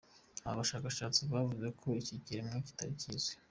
Aba bashakashatsi bavuze ko iki kiremwa kitari kizwi.